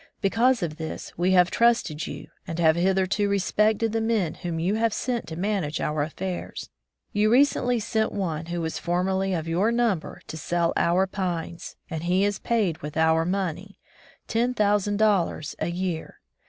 Because of this, we have trusted you, and have hitherto 160 At the NatiorCs Capital respected the men whom you have sent to manage our affairs. You recently sent one who was formerly of your number to sell our pines, and he is paid with our money, ten thousand dollars a year.